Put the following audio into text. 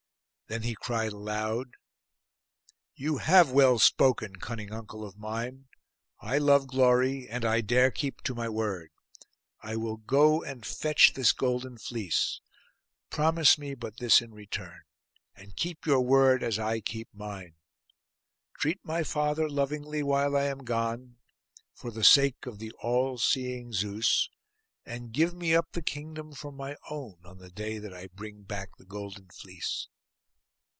Then he cried aloud— 'You have well spoken, cunning uncle of mine! I love glory, and I dare keep to my word. I will go and fetch this golden fleece. Promise me but this in return, and keep your word as I keep mine. Treat my father lovingly while I am gone, for the sake of the all seeing Zeus; and give me up the kingdom for my own on the day that I bring back the golden fleece.